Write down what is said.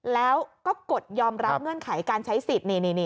แล้วก็กดยอมรับเงื่อนไขการใช้สิทธิ์